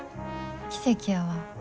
奇跡やわ。